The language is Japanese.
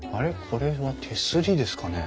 これは手すりですかね？